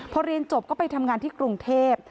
พอเรียนจบก็ไปทำงานที่กรุงเทพ